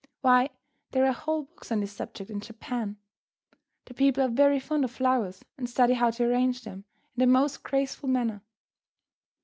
Why, there are whole books on this subject in Japan. The people are very fond of flowers, and study how to arrange them in the most graceful manner.